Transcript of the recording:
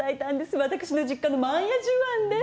私の実家の万屋寿庵で。